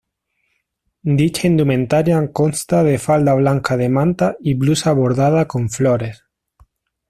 Dicha indumentaria consta de falda blanca de manta y blusa bordada con flores.